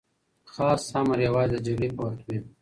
خاص امر یوازې د جګړې په وخت کي وي.